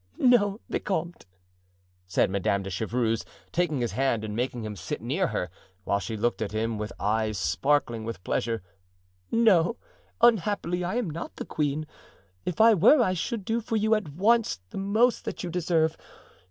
"No, vicomte," said Madame de Chevreuse, taking his hand and making him sit near her, while she looked at him with eyes sparkling with pleasure; "no, unhappily, I am not the queen. If I were I should do for you at once the most that you deserve.